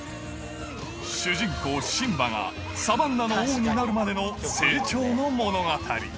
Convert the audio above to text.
主人公、シンバが、サバンナの王になるまでの成長の物語。